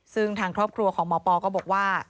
ซึ่งทางครอบครัวของหมอปอก็บอกว่า